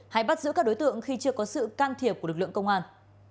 hay bắt giữ các đối tượng khi chưa có sự can thiệp của lực lượng công an